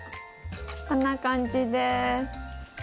こんな感じです。